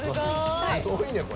すごいねこれ。